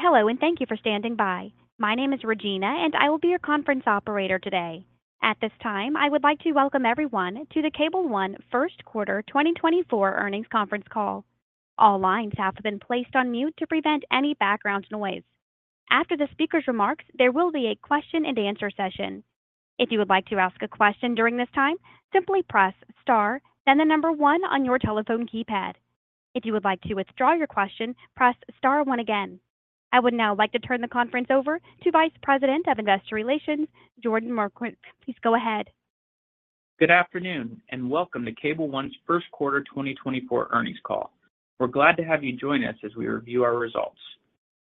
Hello and thank you for standing by. My name is Regina and I will be your conference operator today. At this time, I would like to welcome everyone to the Cable One Q1 2024 earnings conference call. All lines have been placed on mute to prevent any background noise. After the speaker's remarks, there will be a question-and-answer session. If you would like to ask a question during this time, simply press * then the number 1 on your telephone keypad. If you would like to withdraw your question, press star one again. I would now like to turn the conference over to Vice President of Investor Relations, Jordan Morkert. Please go ahead. Good afternoon and welcome to Cable One's Q1 2024 earnings call. We're glad to have you join us as we review our results.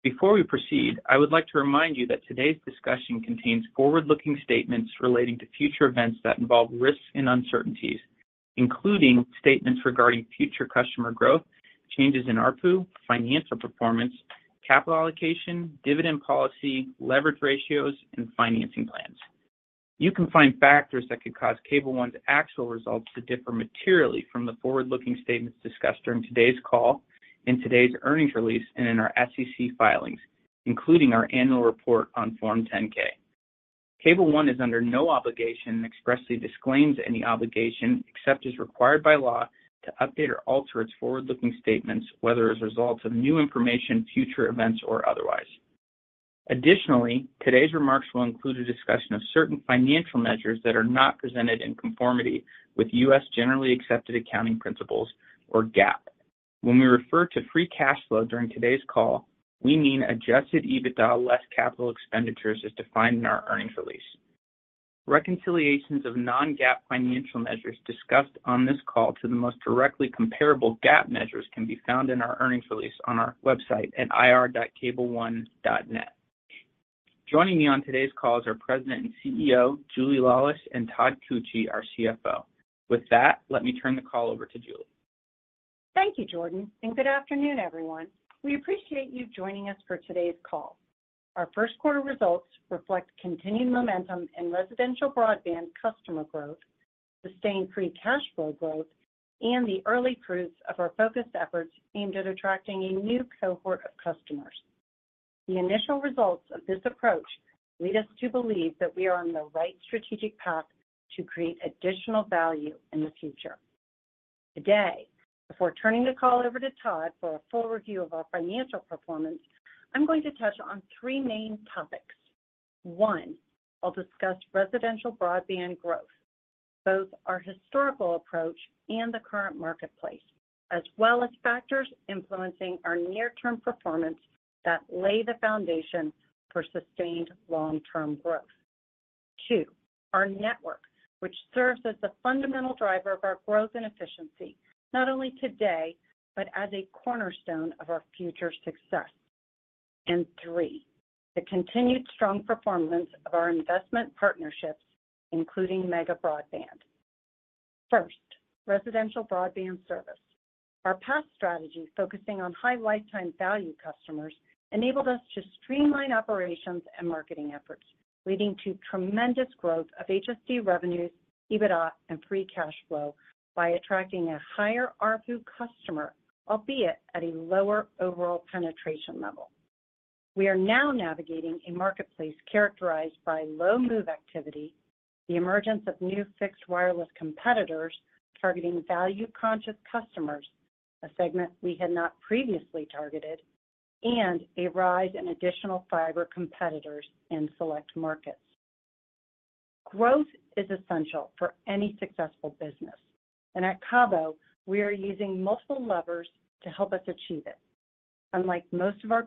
Before we proceed, I would like to remind you that today's discussion contains forward-looking statements relating to future events that involve risks and uncertainties, including statements regarding future customer growth, changes in ARPU, financial performance, capital allocation, dividend policy, leverage ratios, and financing plans. You can find factors that could cause Cable One's actual results to differ materially from the forward-looking statements discussed during today's call, in today's earnings release, and in our SEC filings, including our annual report on Form 10-K. Cable One is under no obligation and expressly disclaims any obligation except as required by law to update or alter its forward-looking statements, whether as a result of new information, future events, or otherwise. Additionally, today's remarks will include a discussion of certain financial measures that are not presented in conformity with U.S. generally accepted accounting principles, or GAAP. When we refer to free cash flow during today's call, we mean Adjusted EBITDA less capital expenditures as defined in our earnings release. Reconciliations of non-GAAP financial measures discussed on this call to the most directly comparable GAAP measures can be found in our earnings release on our website at ir.cableone.net. Joining me on today's call is our President and CEO, Julie Laulis, and Todd Koetje, our CFO. With that, let me turn the call over to Julie. Thank you, Jordan, and good afternoon, everyone. We appreciate you joining us for today's call. Our Q1 results reflect continued momentum in residential broadband customer growth, sustained free cash flow growth, and the early proofs of our focused efforts aimed at attracting a new cohort of customers. The initial results of this approach lead us to believe that we are on the right strategic path to create additional value in the future. Today, before turning the call over to Todd for a full review of our financial performance, I'm going to touch on three main topics. One, I'll discuss residential broadband growth, both our historical approach and the current marketplace, as well as factors influencing our near-term performance that lay the foundation for sustained long-term growth. 2, our network, which serves as the fundamental driver of our growth and efficiency, not only today but as a cornerstone of our future success. And 3, the continued strong performance of our investment partnerships, including Mega Broadband. First, residential broadband service. Our past strategy focusing on high lifetime value customers enabled us to streamline operations and marketing efforts, leading to tremendous growth of HSD revenues, EBITDA, and free cash flow by attracting a higher ARPU customer, albeit at a lower overall penetration level. We are now navigating a marketplace characterized by low move activity, the emergence of new fixed wireless competitors targeting value-conscious customers, a segment we had not previously targeted, and a rise in additional fiber competitors in select markets. Growth is essential for any successful business, and at Cable One, we are using multiple levers to help us achieve it. Unlike most of our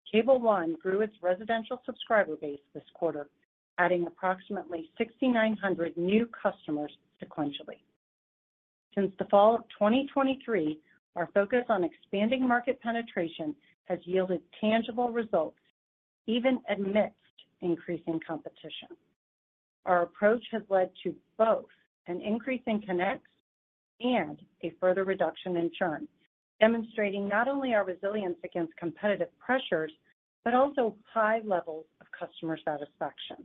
peers, Cable One grew its residential subscriber base this quarter, adding approximately 6,900 new customers sequentially. Since the fall of 2023, our focus on expanding market penetration has yielded tangible results, even amidst increasing competition. Our approach has led to both an increase in connects and a further reduction in churn, demonstrating not only our resilience against competitive pressures but also high levels of customer satisfaction.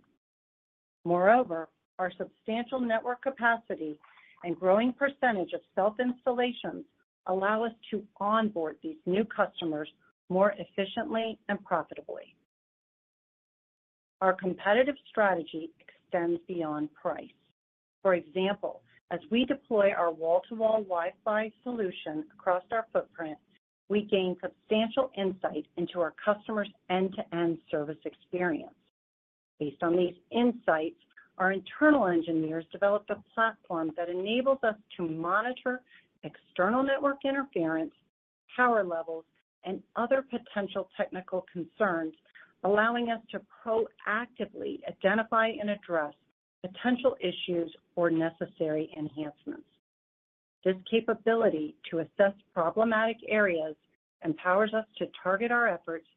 Moreover, our substantial network capacity and growing percentage of self-installations allow us to onboard these new customers more efficiently and profitably. Our competitive strategy extends beyond price. For example, as we deploy our Wall-to-Wall WiFi solution across our footprint, we gain substantial insight into our customer's end-to-end service experience. Based on these insights, our internal engineers developed a platform that enables us to monitor external network interference, power levels, and other potential technical concerns, allowing us to proactively identify and address potential issues or necessary enhancements. This capability to assess problematic areas empowers us to target our efforts,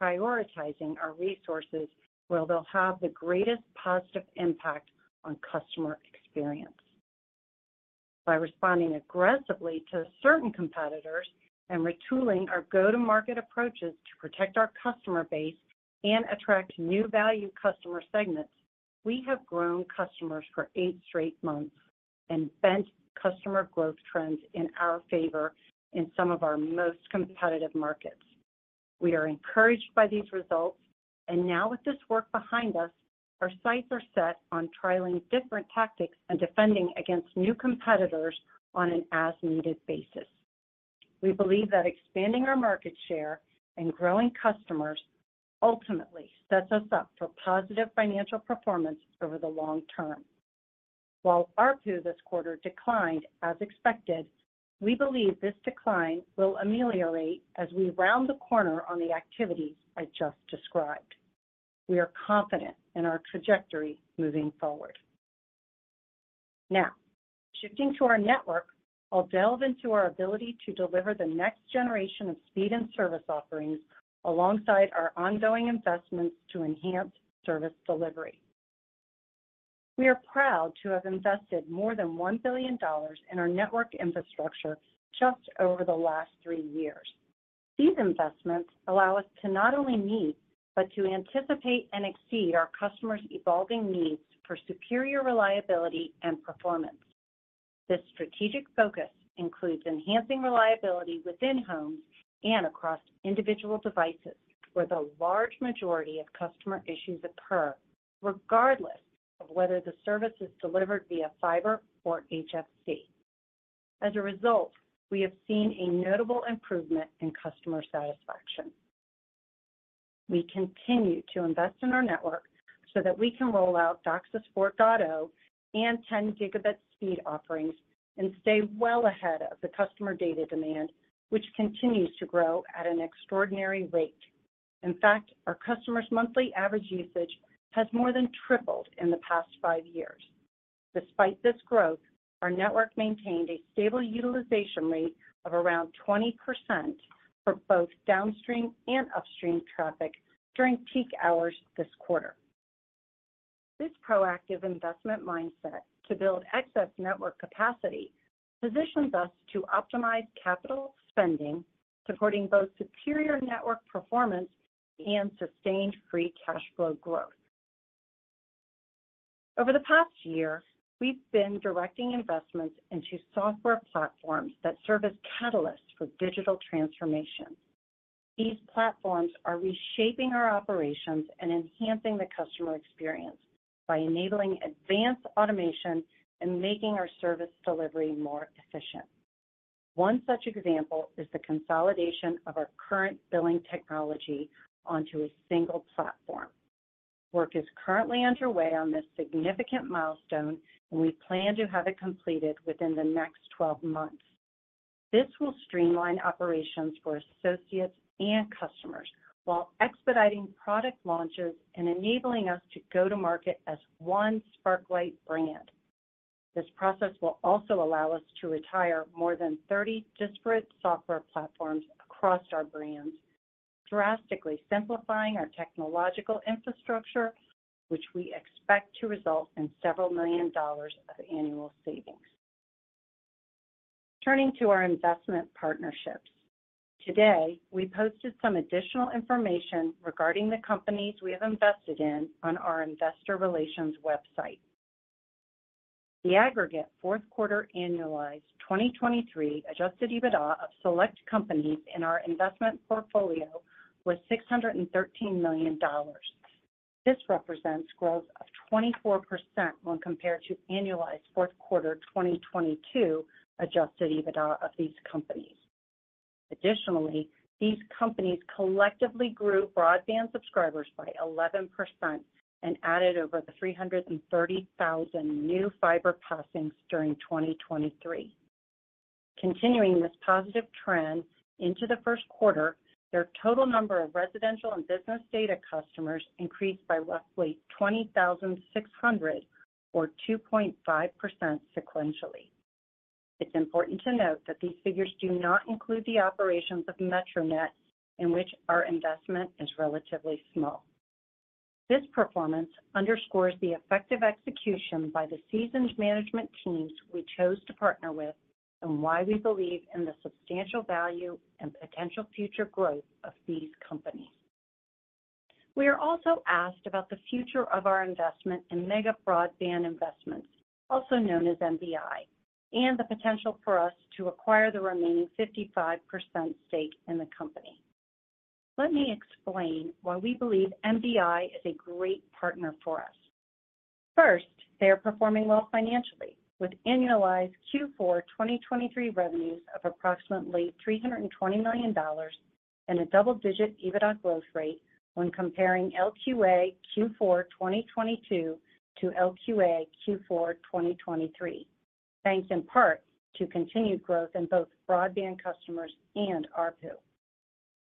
prioritizing our resources where they'll have the greatest positive impact on customer experience. By responding aggressively to certain competitors and retooling our go-to-market approaches to protect our customer base and attract new value customer segments, we have grown customers for eight straight months and bent customer growth trends in our favor in some of our most competitive markets. We are encouraged by these results, and now with this work behind us, our sights are set on trialing different tactics and defending against new competitors on an as-needed basis. We believe that expanding our market share and growing customers ultimately sets us up for positive financial performance over the long term. While ARPU this quarter declined as expected, we believe this decline will ameliorate as we round the corner on the activities I just described. We are confident in our trajectory moving forward. Now, shifting to our network, I'll delve into our ability to deliver the next generation of speed and service offerings alongside our ongoing investments to enhance service delivery. We are proud to have invested more than $1 billion in our network infrastructure just over the last three years. These investments allow us to not only meet but to anticipate and exceed our customers' evolving needs for superior reliability and performance. This strategic focus includes enhancing reliability within homes and across individual devices where the large majority of customer issues occur, regardless of whether the service is delivered via fiber or HFC. As a result, we have seen a notable improvement in customer satisfaction. We continue to invest in our network so that we can roll out DOCSIS 4.0 and 10-gigabit speed offerings and stay well ahead of the customer data demand, which continues to grow at an extraordinary rate. In fact, our customers' monthly average usage has more than tripled in the past five years. Despite this growth, our network maintained a stable utilization rate of around 20% for both downstream and upstream traffic during peak hours this quarter. This proactive investment mindset to build excess network capacity positions us to optimize capital spending, supporting both superior network performance and sustained free cash flow growth. Over the past year, we've been directing investments into software platforms that serve as catalysts for digital transformation. These platforms are reshaping our operations and enhancing the customer experience by enabling advanced automation and making our service delivery more efficient. One such example is the consolidation of our current billing technology onto a single platform. Work is currently underway on this significant milestone, and we plan to have it completed within the next 12 months. This will streamline operations for associates and customers while expediting product launches and enabling us to go to market as one Sparklight brand. This process will also allow us to retire more than 30 disparate software platforms across our brands, drastically simplifying our technological infrastructure, which we expect to result in several million dollars of annual savings. Turning to our investment partnerships. Today, we posted some additional information regarding the companies we have invested in on our investor relations website. The aggregate fourth-quarter annualized 2023 Adjusted EBITDA of select companies in our investment portfolio was $613 million. This represents growth of 24% when compared to annualized fourth-quarter 2022 Adjusted EBITDA of these companies. Additionally, these companies collectively grew broadband subscribers by 11% and added over 330,000 new fiber passings during 2023. Continuing this positive trend into the Q1, their total number of residential and business data customers increased by roughly 20,600, or 2.5% sequentially. It's important to note that these figures do not include the operations of Metronet, in which our investment is relatively small. This performance underscores the effective execution by the seasoned management teams we chose to partner with and why we believe in the substantial value and potential future growth of these companies. We are also asked about the future of our investment in Mega Broadband Investments, also known as MBI, and the potential for us to acquire the remaining 55% stake in the company. Let me explain why we believe MBI is a great partner for us. First, they are performing well financially, with annualized Q4 2023 revenues of approximately $320 million and a double-digit EBITDA growth rate when comparing LQA Q4 2022 to LQA Q4 2023, thanks in part to continued growth in both broadband customers and ARPU.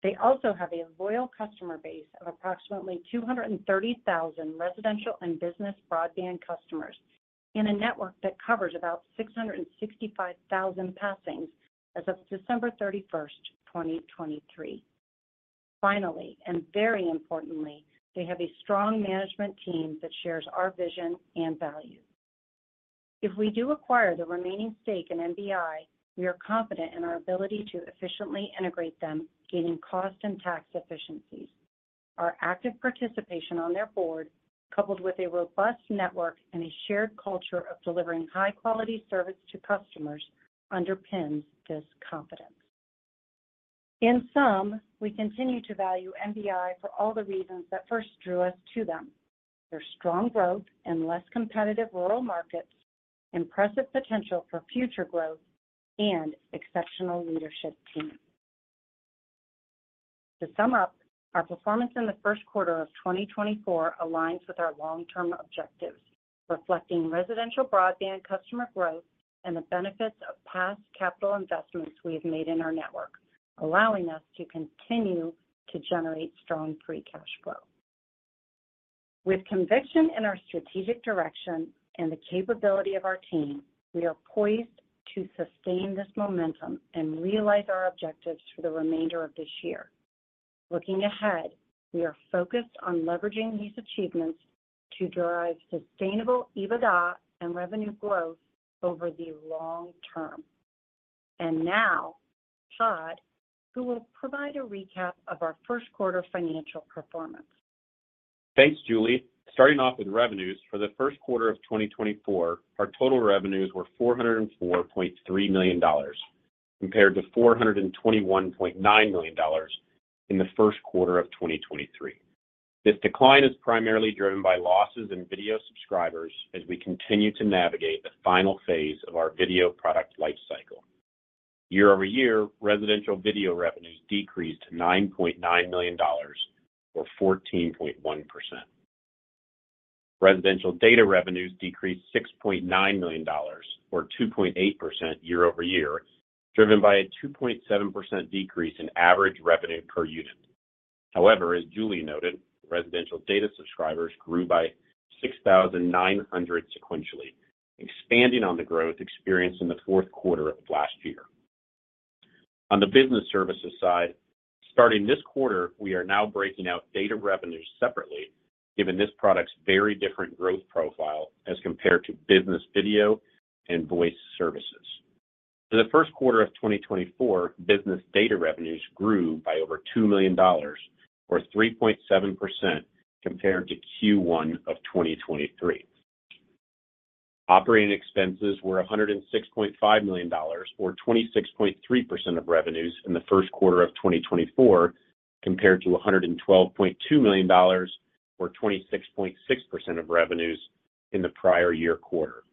They also have a loyal customer base of approximately 230,000 residential and business broadband customers in a network that covers about 665,000 passings as of December 31st, 2023. Finally, and very importantly, they have a strong management team that shares our vision and value. If we do acquire the remaining stake in MBI, we are confident in our ability to efficiently integrate them, gaining cost and tax efficiencies. Our active participation on their board, coupled with a robust network and a shared culture of delivering high-quality service to customers, underpins this confidence. In sum, we continue to value MBI for all the reasons that first drew us to them: their strong growth in less competitive rural markets, impressive potential for future growth, and exceptional leadership team. To sum up, our performance in the Q1 of 2024 aligns with our long-term objectives, reflecting residential broadband customer growth and the benefits of past capital investments we have made in our network, allowing us to continue to generate strong free cash flow. With conviction in our strategic direction and the capability of our team, we are poised to sustain this momentum and realize our objectives for the remainder of this year. Looking ahead, we are focused on leveraging these achievements to drive sustainable EBITDA and revenue growth over the long term. And now, Todd, who will provide a recap of our first-quarter financial performance. Thanks, Julie. Starting off with revenues, for the Q1 of 2024, our total revenues were $404.3 million compared to $421.9 million in the Q1 of 2023. This decline is primarily driven by losses in video subscribers as we continue to navigate the final phase of our video product lifecycle. Year-over-year, residential video revenues decreased to $9.9 million, or 14.1%. Residential data revenues decreased $6.9 million, or 2.8% year-over-year, driven by a 2.7% decrease in average revenue per unit. However, as Julie noted, residential data subscribers grew by 6,900 sequentially, expanding on the growth experienced in the Q4 of last year. On the business services side, starting this quarter, we are now breaking out data revenues separately, given this product's very different growth profile as compared to business video and voice services. For the Q1 of 2024, business data revenues grew by over $2 million, or 3.7%, compared to Q1 of 2023. Operating expenses were $106.5 million, or 26.3% of revenues in the Q1 of 2024, compared to $112.2 million, or 26.6% of revenues in the prior year quarter,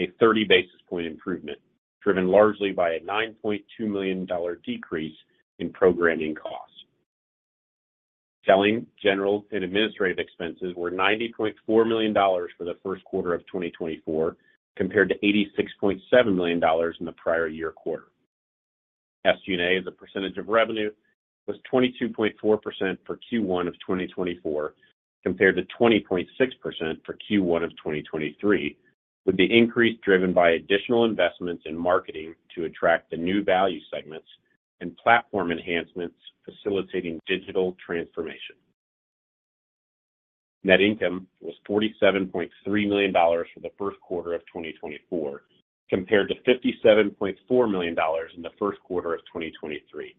a 30 basis point improvement driven largely by a $9.2 million decrease in programming costs. Selling, general, and administrative expenses were $90.4 million for the Q1 of 2024, compared to $86.7 million in the prior year quarter. SG&A, as a percentage of revenue, was 22.4% for Q1 of 2024, compared to 20.6% for Q1 of 2023, with the increase driven by additional investments in marketing to attract the new value segments and platform enhancements facilitating digital transformation. Net income was $47.3 million for the Q1 of 2024, compared to $57.4 million in the Q1 of 2023.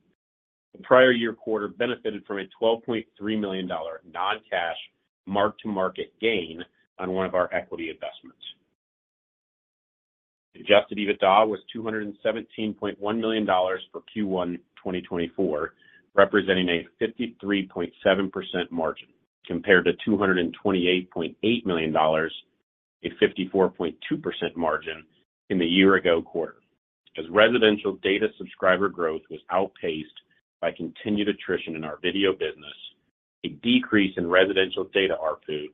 The prior year quarter benefited from a $12.3 million non-cash mark-to-market gain on one of our equity investments. Adjusted EBITDA was $217.1 million for Q1 2024, representing a 53.7% margin, compared to $228.8 million, a 54.2% margin, in the year-ago quarter, as residential data subscriber growth was outpaced by continued attrition in our video business, a decrease in residential data ARPU,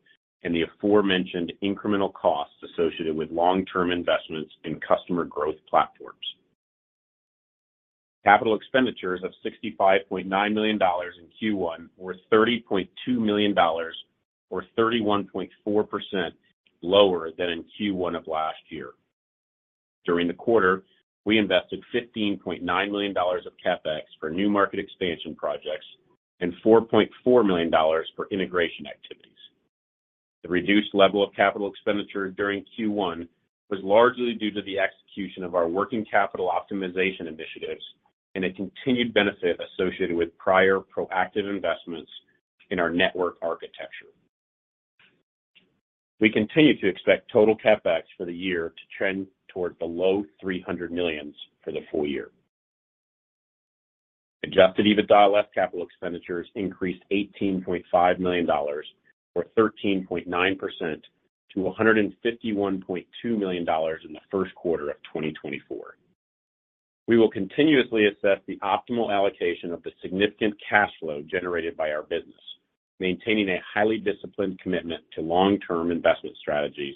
and the aforementioned incremental costs associated with long-term investments in customer growth platforms. Capital expenditures of $65.9 million in Q1 were $30.2 million, or 31.4% lower than in Q1 of last year. During the quarter, we invested $15.9 million of CapEx for new market expansion projects and $4.4 million for integration activities. The reduced level of capital expenditure during Q1 was largely due to the execution of our working capital optimization initiatives and a continued benefit associated with prior proactive investments in our network architecture. We continue to expect total CapEx for the year to trend towards the low $300 million for the full year. Adjusted EBITDA less capital expenditures increased $18.5 million, or 13.9%, to $151.2 million in the Q1 of 2024. We will continuously assess the optimal allocation of the significant cash flow generated by our business, maintaining a highly disciplined commitment to long-term investment strategies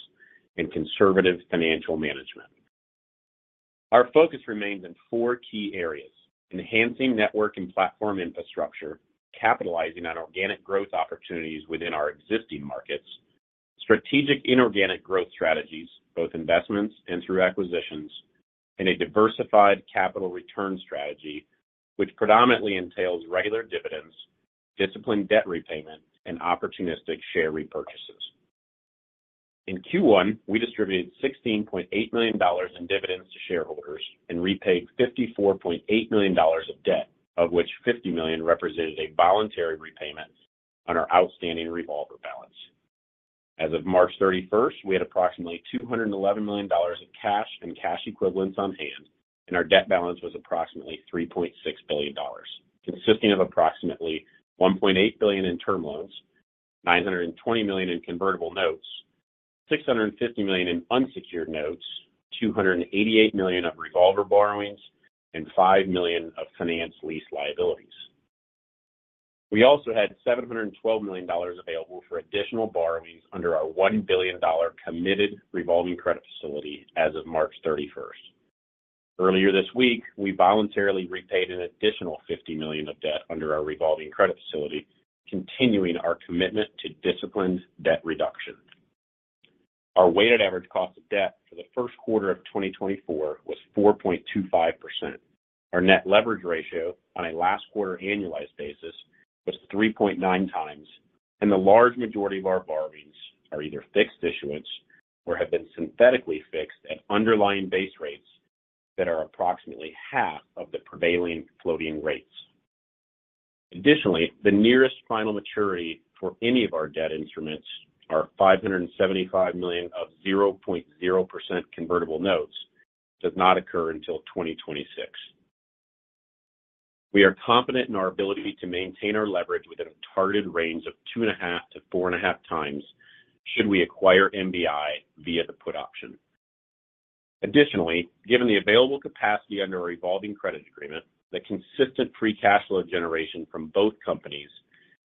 and conservative financial management. Our focus remains in four key areas: enhancing network and platform infrastructure, capitalizing on organic growth opportunities within our existing markets, strategic inorganic growth strategies, both investments and through acquisitions, and a diversified capital return strategy, which predominantly entails regular dividends, disciplined debt repayment, and opportunistic share repurchases. In Q1, we distributed $16.8 million in dividends to shareholders and repaid $54.8 million of debt, of which $50 million represented a voluntary repayment on our outstanding revolver balance. As of March 31st, we had approximately $211 million of cash and cash equivalents on hand, and our debt balance was approximately $3.6 billion, consisting of approximately $1.8 billion in term loans, $920 million in convertible notes, $650 million in unsecured notes, $288 million of revolver borrowings, and $5 million of finance lease liabilities. We also had $712 million available for additional borrowings under our $1 billion committed revolving credit facility as of March 31st. Earlier this week, we voluntarily repaid an additional $50 million of debt under our revolving credit facility, continuing our commitment to disciplined debt reduction. Our weighted average cost of debt for the Q1 of 2024 was 4.25%. Our net leverage ratio on a last-quarter annualized basis was 3.9 times, and the large majority of our borrowings are either fixed issuance or have been synthetically fixed at underlying base rates that are approximately half of the prevailing floating rates. Additionally, the nearest final maturity for any of our debt instruments, our $575 million of 0.0% convertible notes, does not occur until 2026. We are confident in our ability to maintain our leverage within a targeted range of 2.5-4.5 times should we acquire MBI via the put option. Additionally, given the available capacity under our revolving credit agreement, the consistent free cash flow generation from both companies,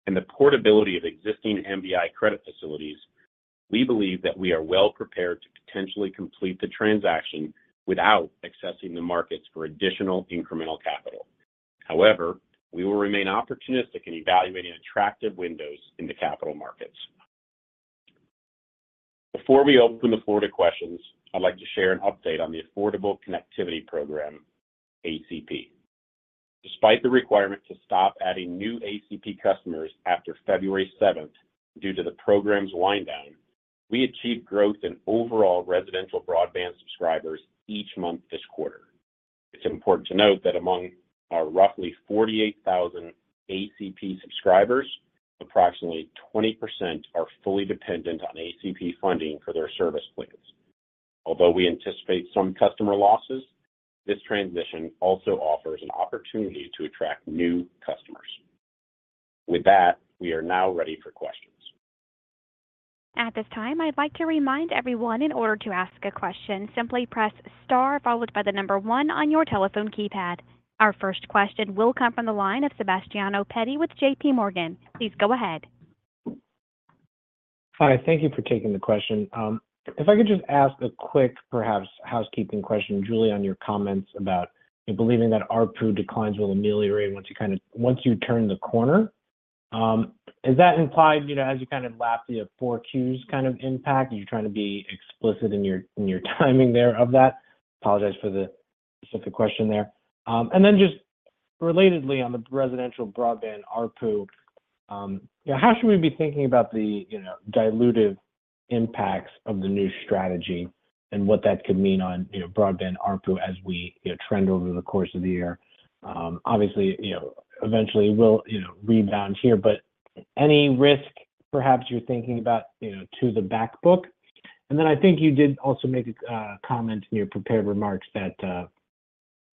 and the portability of existing MBI credit facilities, we believe that we are well prepared to potentially complete the transaction without accessing the markets for additional incremental capital. However, we will remain opportunistic in evaluating attractive windows in the capital markets. Before we open the floor to questions, I'd like to share an update on the Affordable Connectivity Program, ACP. Despite the requirement to stop adding new ACP customers after February 7th due to the program's winddown, we achieved growth in overall residential broadband subscribers each month this quarter. It's important to note that among our roughly 48,000 ACP subscribers, approximately 20% are fully dependent on ACP funding for their service plans. Although we anticipate some customer losses, this transition also offers an opportunity to attract new customers. With that, we are now ready for questions. At this time, I'd like to remind everyone, in order to ask a question, simply press star followed by the number one on your telephone keypad. Our first question will come from the line of Sebastiano Petti with JPMorgan. Please go ahead. Hi. Thank you for taking the question. If I could just ask a quick, perhaps, housekeeping question, Julie, on your comments about believing that ARPU declines will ameliorate once you turn the corner. Is that implied as you kind of lagged the 4 Qs kind of impact? Are you trying to be explicit in your timing there of that? Apologize for the specific question there. And then just relatedly on the residential broadband ARPU, how should we be thinking about the dilutive impacts of the new strategy and what that could mean on broadband ARPU as we trend over the course of the year? Obviously, eventually, it will rebound here, but any risk, perhaps, you're thinking about to the backbook? And then I think you did also make a comment in your prepared remarks that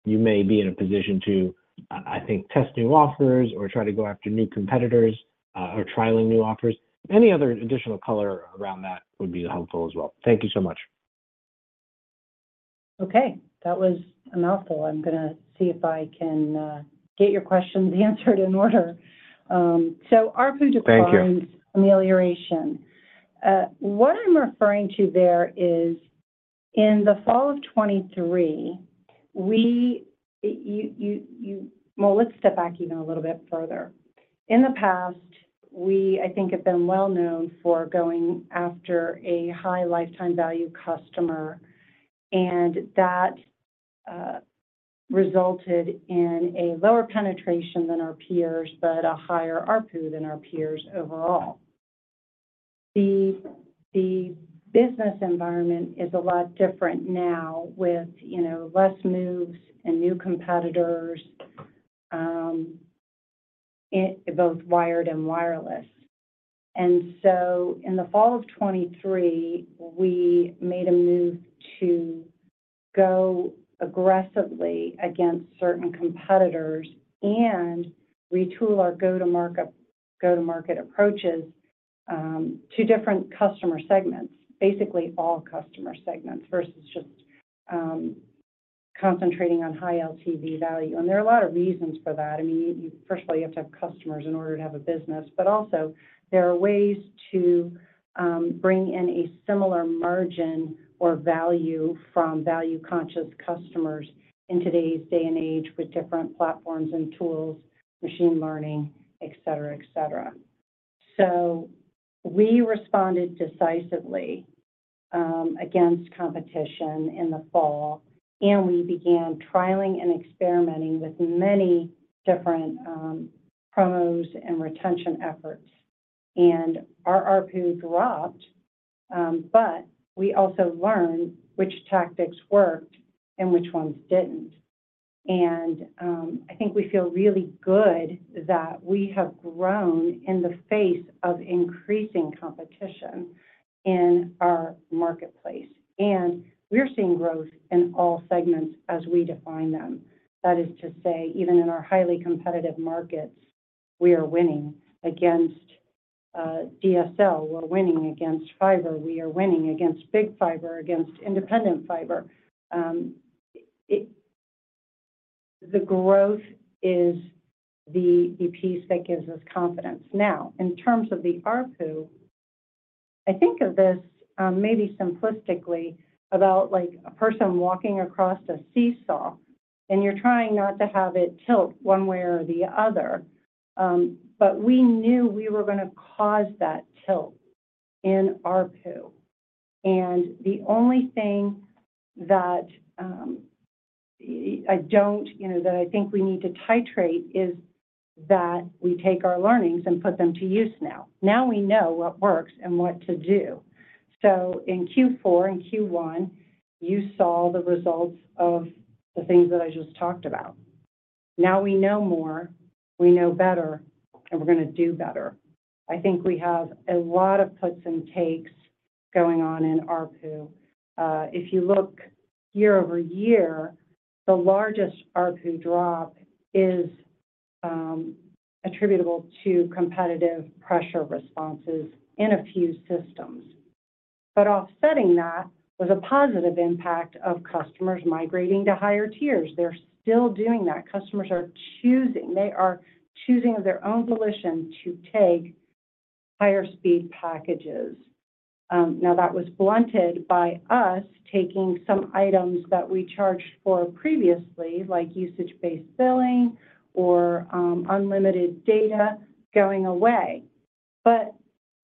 you may be in a position to, I think, test new offers or try to go after new competitors or trialing new offers. Any other additional color around that would be helpful as well. Thank you so much. Okay. That was a mouthful. I'm going to see if I can get your questions answered in order. So ARPU declines. Thank you. Amelioration. What I'm referring to there is, in the fall of 2023, we, well, let's step back even a little bit further. In the past, we, I think, have been well known for going after a high lifetime value customer, and that resulted in a lower penetration than our peers but a higher ARPU than our peers overall. The business environment is a lot different now with less moves and new competitors, both wired and wireless. And so in the fall of 2023, we made a move to go aggressively against certain competitors and retool our go-to-market approaches to different customer segments, basically all customer segments, versus just concentrating on high LTV value. And there are a lot of reasons for that. I mean, first of all, you have to have customers in order to have a business. But also, there are ways to bring in a similar margin or value from value-conscious customers in today's day and age with different platforms and tools, machine learning, etc., etc. So we responded decisively against competition in the fall, and we began trialing and experimenting with many different promos and retention efforts. And our ARPU dropped, but we also learned which tactics worked and which ones didn't. And I think we feel really good that we have grown in the face of increasing competition in our marketplace. And we're seeing growth in all segments as we define them. That is to say, even in our highly competitive markets, we are winning against DSL. We're winning against fiber. We are winning against big fiber, against independent fiber. The growth is the piece that gives us confidence. Now, in terms of the ARPU, I think of this, maybe simplistically, about a person walking across a seesaw, and you're trying not to have it tilt one way or the other. But we knew we were going to cause that tilt in ARPU. And the only thing that I don't that I think we need to titrate is that we take our learnings and put them to use now. Now we know what works and what to do. So in Q4 and Q1, you saw the results of the things that I just talked about. Now we know more. We know better, and we're going to do better. I think we have a lot of puts and takes going on in ARPU. If you look year-over-year, the largest ARPU drop is attributable to competitive pressure responses in a few systems. Offsetting that was a positive impact of customers migrating to higher tiers. They're still doing that. Customers are choosing. They are choosing of their own volition to take higher-speed packages. Now, that was blunted by us taking some items that we charged for previously, like usage-based billing or unlimited data, going away.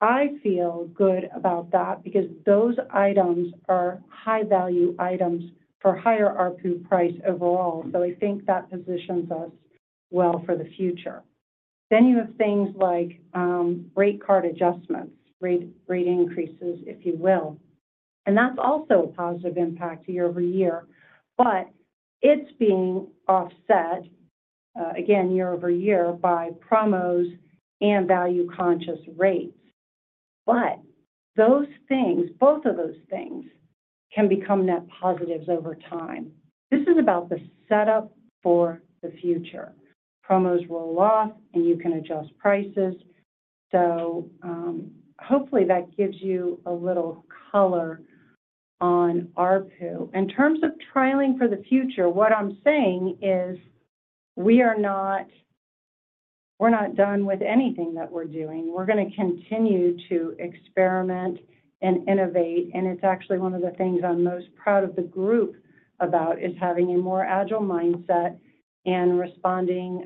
I feel good about that because those items are high-value items for higher ARPU price overall. I think that positions us well for the future. You have things like rate card adjustments, rate increases, if you will. That's also a positive impact year-over-year. It's being offset, again, year-over-year, by promos and value-conscious rates. Both of those things can become net positives over time. This is about the setup for the future. Promos roll off, and you can adjust prices. So hopefully, that gives you a little color on ARPU. In terms of trialing for the future, what I'm saying is we're not done with anything that we're doing. We're going to continue to experiment and innovate. And it's actually one of the things I'm most proud of the group about is having a more agile mindset and responding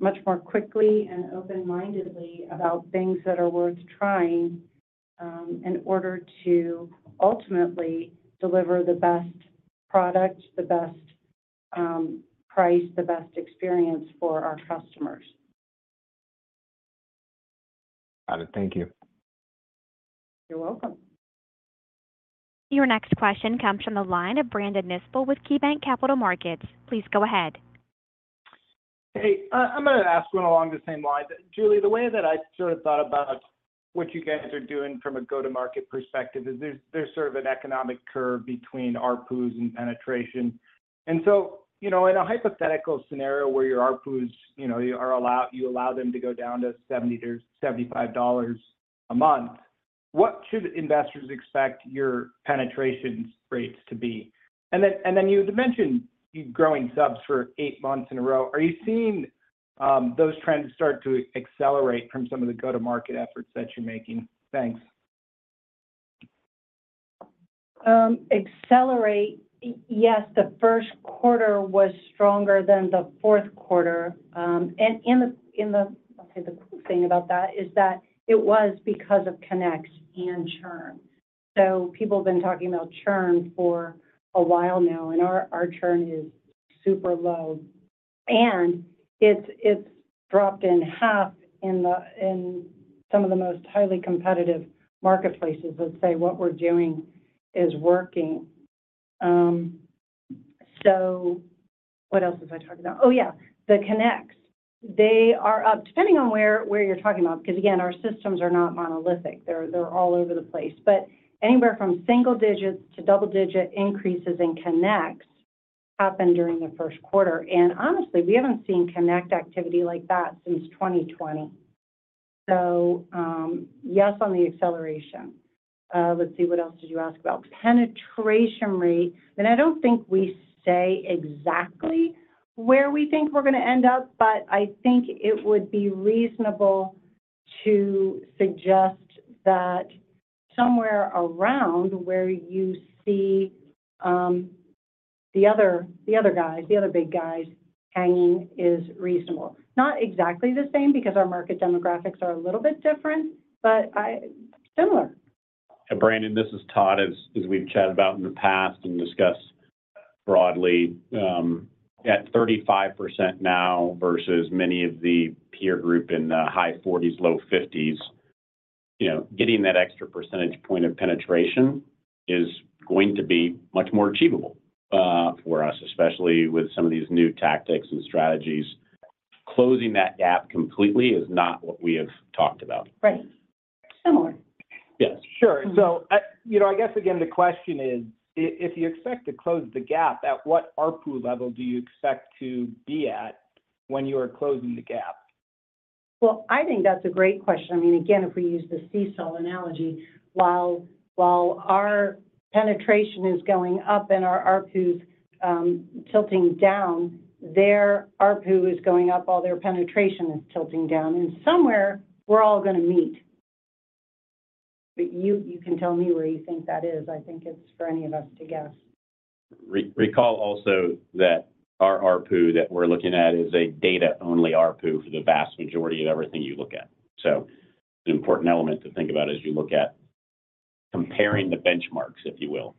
much more quickly and open-mindedly about things that are worth trying in order to ultimately deliver the best product, the best price, the best experience for our customers. Got it. Thank you. You're welcome. Your next question comes from the line of Brandon Nispel with KeyBanc Capital Markets. Please go ahead. Hey. I'm going to ask one along the same lines. Julie, the way that I sort of thought about what you guys are doing from a go-to-market perspective is there's sort of an economic curve between ARPUs and penetration. And so in a hypothetical scenario where your ARPUs are allowed, you allow them to go down to $75 a month, what should investors expect your penetration rates to be? And then you had mentioned growing subs for eight months in a row. Are you seeing those trends start to accelerate from some of the go-to-market efforts that you're making? Thanks. Accelerate, yes. The Q1 was stronger than the Q4. I'll say the cool thing about that is that it was because of connects and churn. People have been talking about churn for a while now, and our churn is super low. It's dropped in half in some of the most highly competitive marketplaces. Let's say what we're doing is working. What else was I talking about? Oh, yeah. The connects. They are up, depending on where you're talking about because, again, our systems are not monolithic. They're all over the place. But anywhere from single digits to double-digit increases in connects happened during the Q1. Honestly, we haven't seen connect activity like that since 2020. Yes on the acceleration. Let's see. What else did you ask about? Penetration rate. I don't think we say exactly where we think we're going to end up, but I think it would be reasonable to suggest that somewhere around where you see the other guys, the other big guys hanging is reasonable. Not exactly the same because our market demographics are a little bit different, but similar. Brandon, this is Todd, as we've chatted about in the past and discussed broadly. At 35% now versus many of the peer group in the high 40s, low 50s, getting that extra percentage point of penetration is going to be much more achievable for us, especially with some of these new tactics and strategies. Closing that gap completely is not what we have talked about. Right. Similar. Yes. Sure. So I guess, again, the question is, if you expect to close the gap, at what ARPU level do you expect to be at when you are closing the gap? Well, I think that's a great question. I mean, again, if we use the seesaw analogy, while our penetration is going up and our ARPU's tilting down, their ARPU is going up while their penetration is tilting down. And somewhere, we're all going to meet. But you can tell me where you think that is? I think it's for any of us to guess. Recall also that our ARPU that we're looking at is a data-only ARPU for the vast majority of everything you look at. So it's an important element to think about as you look at comparing the benchmarks, if you will.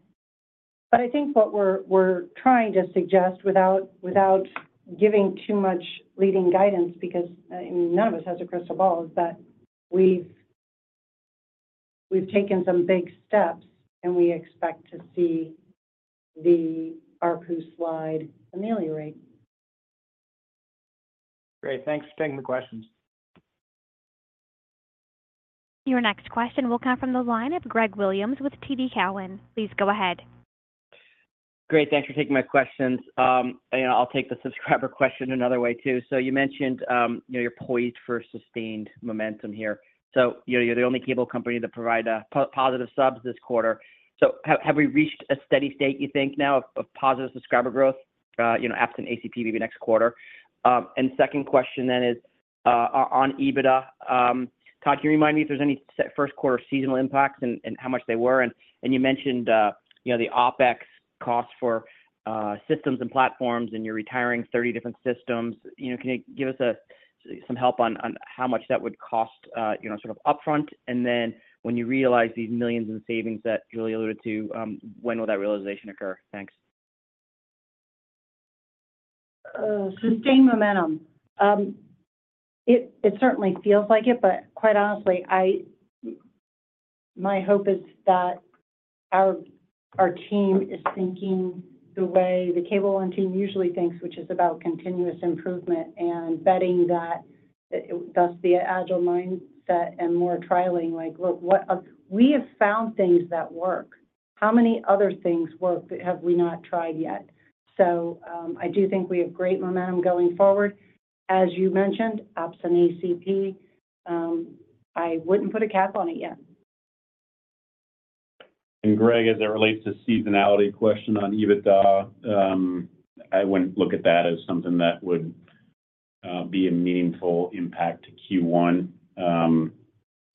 But I think what we're trying to suggest without giving too much leading guidance because none of us has a crystal ball is that we've taken some big steps, and we expect to see the ARPU slide ameliorate. Great. Thanks for taking the questions. Your next question will come from the line of Greg Williams with TD Cowen. Please go ahead. Great. Thanks for taking my questions. And I'll take the subscriber question another way too. So you mentioned you're poised for sustained momentum here. So you're the only cable company to provide positive subs this quarter. So have we reached a steady state, you think, now of positive subscriber growth, absent ACP maybe next quarter? And second question then is on EBITDA. Todd, can you remind me if there's any first-quarter seasonal impacts and how much they were? And you mentioned the OpEx cost for systems and platforms, and you're retiring 30 different systems. Can you give us some help on how much that would cost sort of upfront? And then when you realize these millions in savings that Julie alluded to, when will that realization occur? Thanks. Sustained momentum. It certainly feels like it. But quite honestly, my hope is that our team is thinking the way the Cable One team usually thinks, which is about continuous improvement and betting that thus the agile mindset and more trialing like, "Look, we have found things that work. How many other things work that have we not tried yet?" So I do think we have great momentum going forward. As you mentioned, absent ACP, I wouldn't put a cap on it yet. Greg, as it relates to seasonality question on EBITDA, I wouldn't look at that as something that would be a meaningful impact to Q1.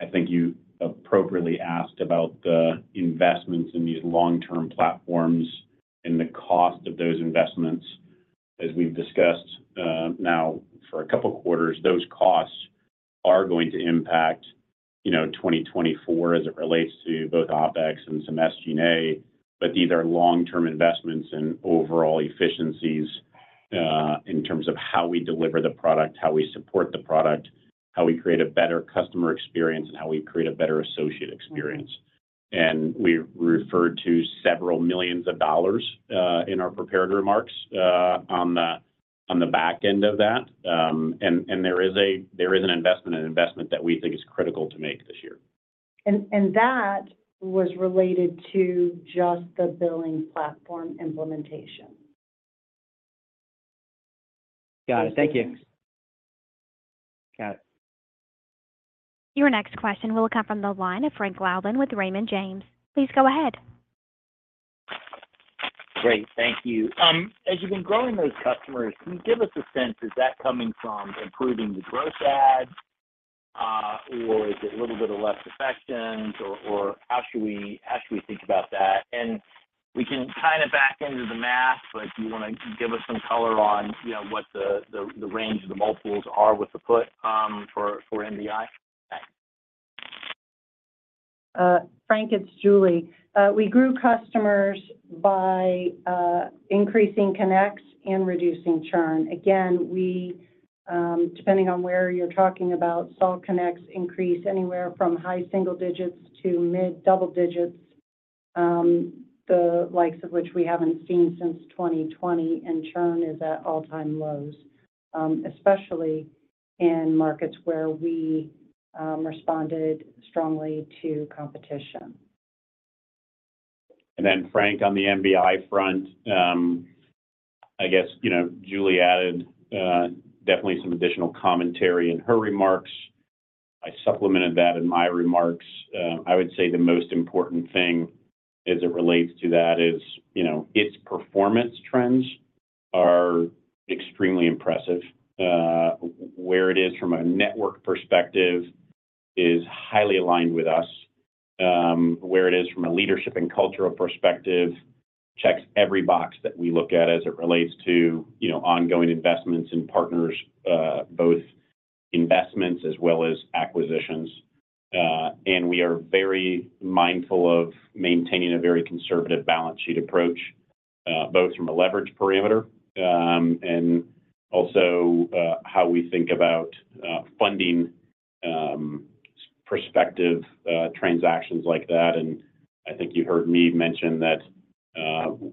I think you appropriately asked about the investments in these long-term platforms and the cost of those investments. As we've discussed now for a couple of quarters, those costs are going to impact 2024 as it relates to both OpEx and some SG&A. But these are long-term investments and overall efficiencies in terms of how we deliver the product, how we support the product, how we create a better customer experience, and how we create a better associate experience. We referred to $several million in our prepared remarks on the back end of that. And there is an investment, an investment that we think is critical to make this year. That was related to just the billing platform implementation. Got it. Thank you. Got it. Your next question will come from the line of Frank Louthan with Raymond James. Please go ahead. Great. Thank you. As you've been growing those customers, can you give us a sense? Is that coming from improving the gross adds, or is it a little bit of less effectiveness, or how should we think about that? And we can kind of back into the math, but do you want to give us some color on what the range of the multiples are with the put for MBI? Thanks. Frank, it's Julie. We grew customers by increasing connects and reducing Churn. Again, depending on where you're talking about, saw connects increase anywhere from high single digits to mid double digits, the likes of which we haven't seen since 2020. And Churn is at all-time lows, especially in markets where we responded strongly to competition. And then, Frank, on the MBI front, I guess Julie added definitely some additional commentary in her remarks. I supplemented that in my remarks. I would say the most important thing as it relates to that is its performance trends are extremely impressive. Where it is from a network perspective is highly aligned with us. Where it is from a leadership and cultural perspective checks every box that we look at as it relates to ongoing investments and partners, both investments as well as acquisitions. And we are very mindful of maintaining a very conservative balance sheet approach both from a leverage parameter and also how we think about funding perspective transactions like that. I think you heard me mention that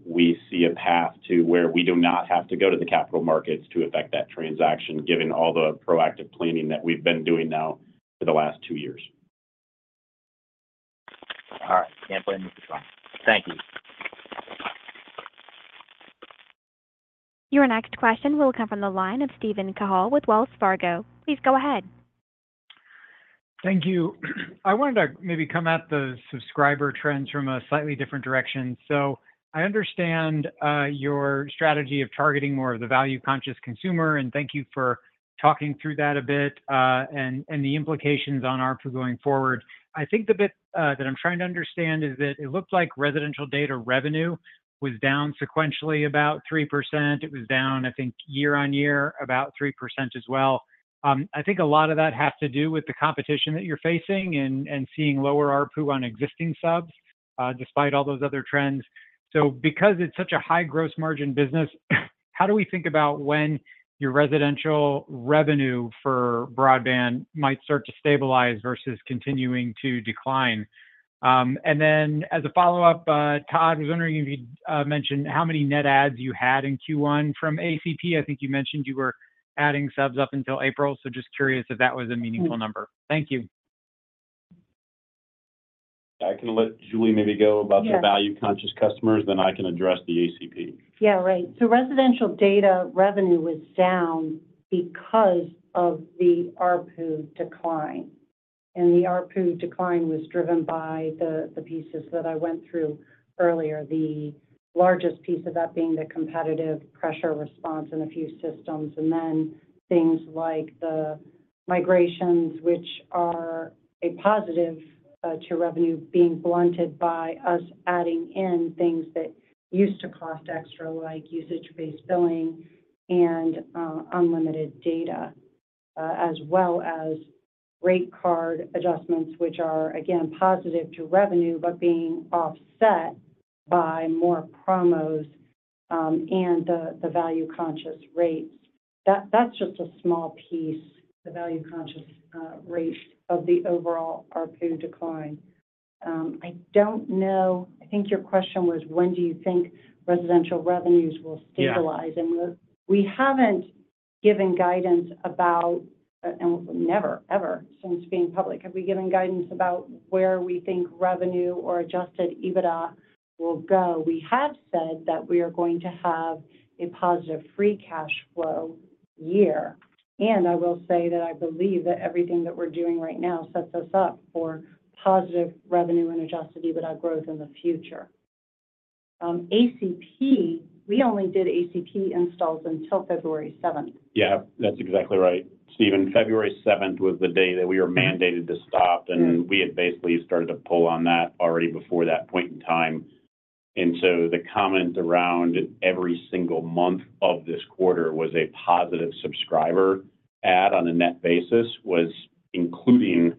we see a path to where we do not have to go to the capital markets to affect that transaction, given all the proactive planning that we've been doing now for the last two years. All right. Can't blame Mr. Churn. Thank you. Your next question will come from the line of Steven Cahall with Wells Fargo. Please go ahead. Thank you. I wanted to maybe come at the subscriber trends from a slightly different direction. So I understand your strategy of targeting more of the value-conscious consumer. And thank you for talking through that a bit and the implications on ARPU going forward. I think the bit that I'm trying to understand is that it looked like residential data revenue was down sequentially about 3%. It was down, I think, year-on-year about 3% as well. I think a lot of that has to do with the competition that you're facing and seeing lower ARPU on existing subs despite all those other trends. So because it's such a high gross margin business, how do we think about when your residential revenue for broadband might start to stabilize versus continuing to decline? Then as a follow-up, Todd was wondering if you'd mentioned how many net adds you had in Q1 from ACP. I think you mentioned you were adding subs up until April. So just curious if that was a meaningful number. Thank you. I can let Julie maybe go about the value-conscious customers. Then I can address the ACP. Yeah. Right. So residential data revenue was down because of the ARPU decline. And the ARPU decline was driven by the pieces that I went through earlier, the largest piece of that being the competitive pressure response in a few systems and then things like the migrations, which are a positive to revenue, being blunted by us adding in things that used to cost extra like usage-based billing and unlimited data as well as rate card adjustments, which are, again, positive to revenue but being offset by more promos and the value-conscious rates. That's just a small piece, the value-conscious rates of the overall ARPU decline. I don't know. I think your question was, when do you think residential revenues will stabilize? And we haven't given guidance about and never, ever since being public, have we given guidance about where we think revenue or Adjusted EBITDA will go? We have said that we are going to have a positive free cash flow year. I will say that I believe that everything that we're doing right now sets us up for positive revenue and Adjusted EBITDA growth in the future. We only did ACP installs until February 7th. Yeah. That's exactly right, Steven. February 7th was the day that we were mandated to stop. We had basically started to pull on that already before that point in time. So the comment around every single month of this quarter was a positive subscriber add-on a net basis was including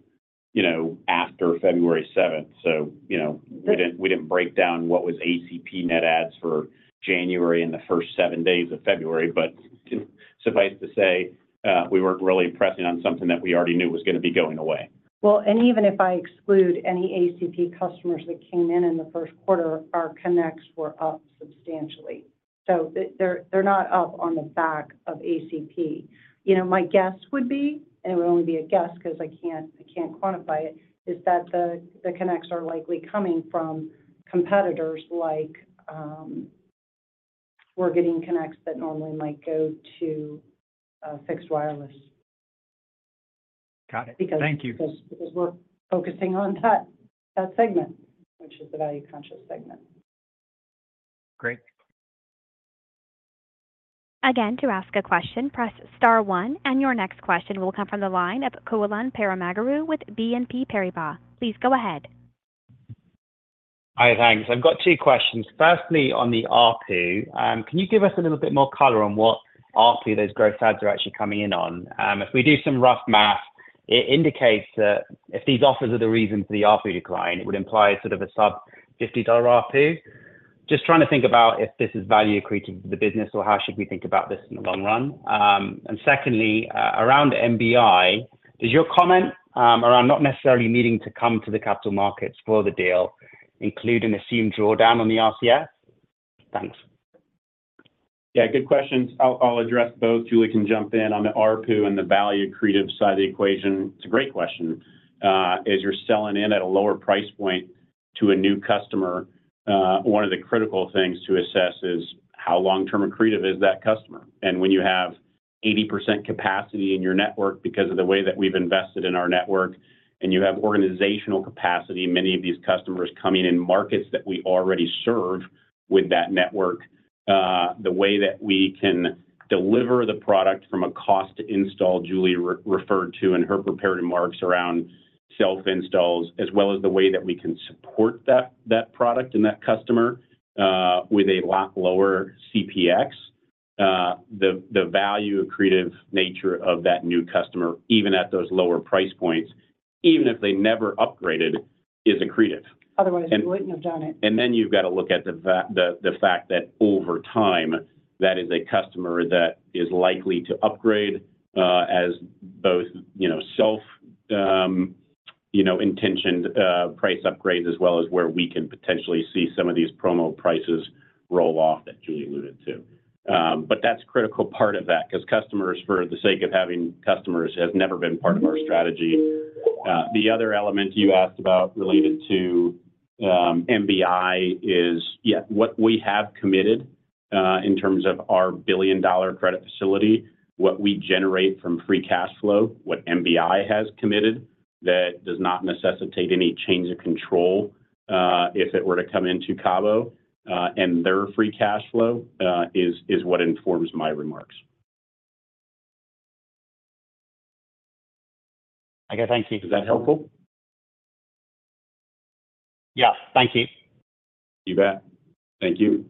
after February 7th. We didn't break down what was ACP net adds for January and the first seven days of February. But suffice to say, we weren't really pressing on something that we already knew was going to be going away. Well, and even if I exclude any ACP customers that came in in the Q1, our connects were up substantially. So they're not up on the back of ACP. My guess would be - and it would only be a guess because I can't quantify it - is that the connects are likely coming from competitors like we're getting connects that normally might go to fixed wireless. Got it. Thank you. Because we're focusing on that segment, which is the value-conscious segment. Great. Again, to ask a question, press star one. And your next question will come from the line of Kohulan Paramaguru with BNP Paribas. Please go ahead. Hi. Thanks. I've got two questions. Firstly, on the ARPU, can you give us a little bit more color on what ARPU those gross ads are actually coming in on? If we do some rough math, it indicates that if these offers are the reason for the ARPU decline, it would imply sort of a sub-$50 ARPU. Just trying to think about if this is value accretive for the business or how should we think about this in the long run. And secondly, around MBI, does your comment around not necessarily needing to come to the capital markets for the deal include an assumed drawdown on the RCS? Thanks. Yeah. Good questions. I'll address both. Julie can jump in. On the ARPU and the value accretive side of the equation, it's a great question. As you're selling in at a lower price point to a new customer, one of the critical things to assess is how long-term accretive is that customer? And when you have 80% capacity in your network because of the way that we've invested in our network, and you have organizational capacity, many of these customers coming in markets that we already serve with that network, the way that we can deliver the product from a cost to install Julie referred to in her preparatory remarks around self-installs, as well as the way that we can support that product and that customer with a lot lower CPX, the value accretive nature of that new customer, even at those lower price points, even if they never upgraded, is accretive. Otherwise, you wouldn't have done it. Then you've got to look at the fact that over time, that is a customer that is likely to upgrade as both self-intentioned price upgrades as well as where we can potentially see some of these promo prices roll off that Julie alluded to. But that's a critical part of that because customers, for the sake of having customers, has never been part of our strategy. The other element you asked about related to MBI is, yeah, what we have committed in terms of our billion-dollar credit facility, what we generate from free cash flow, what MBI has committed that does not necessitate any change of control if it were to come into CABO, and their free cash flow is what informs my remarks. Okay. Thank you. Is that helpful? Yeah. Thank you. You bet. Thank you.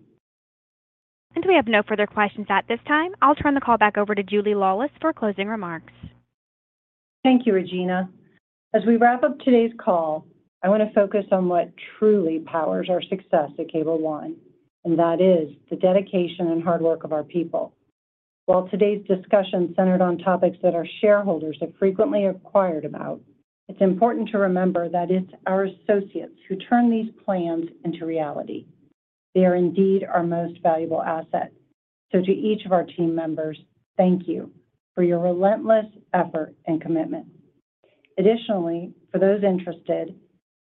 We have no further questions at this time. I'll turn the call back over to Julie Laulis for closing remarks. Thank you, Regina. As we wrap up today's call, I want to focus on what truly powers our success at Cable One, and that is the dedication and hard work of our people. While today's discussion centered on topics that our shareholders have frequently inquired about, it's important to remember that it's our associates who turn these plans into reality. They are indeed our most valuable asset. So to each of our team members, thank you for your relentless effort and commitment. Additionally, for those interested,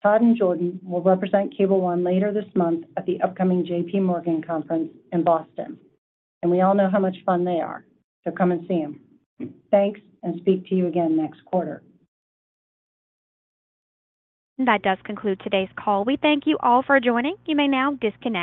Todd and Jordan will represent Cable One later this month at the upcoming JPMorgan conference in Boston. We all know how much fun they are. So come and see them. Thanks. Speak to you again next quarter. That does conclude today's call. We thank you all for joining. You may now disconnect.